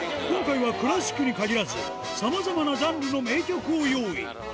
今回はジャズに限らず、さまざまなジャンルの名曲を用意。